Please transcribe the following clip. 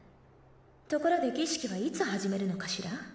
ところで儀式はいつ始めるのかしら？